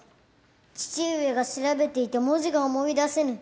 父上が調べていた文字が思い出せぬ。